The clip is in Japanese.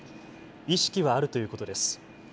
意識はあるということです。